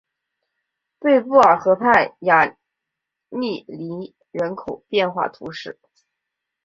贝布尔河畔雅利尼人口变化图示